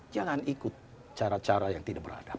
jangan ikut cara cara yang tidak beradab